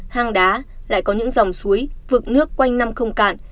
hang đá lại có những dòng suối vực nước quanh năm không cạn